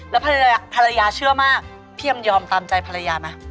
แล้วภรรยาเชื่อมากพี่เอ็มยอมตามใจภรรยาไหม